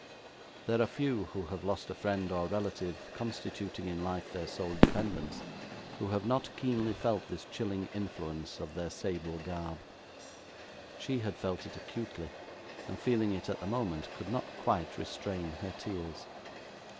There are few who have lost a friend or relative constituting in life their sole dependence, who have not keenly felt this chilling influence of their sable garb. She had felt it acutely, and feeling it at the moment, could not quite restrain her tears.